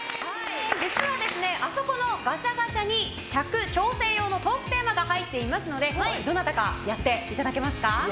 実はあそこのガチャガチャに尺調整用のトークテーマが入っていますのでどなたかやっていただけますか？